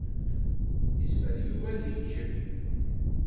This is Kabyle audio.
Yezmer Yuba ad iccef.